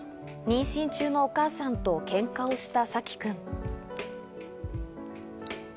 妊娠中のお母さんとケンカをしたさき君。